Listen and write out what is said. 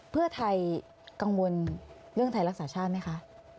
เพื่อไทยกังวลเรื่องไทยรักษาชาติไหมคะ